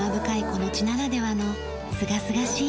この地ならではのすがすがしい